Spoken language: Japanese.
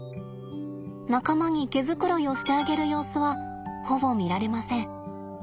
仲間に毛繕いをしてあげる様子はほぼ見られません。